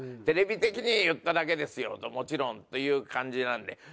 「テレビ的に言っただけですよもちろん」という感じなんで。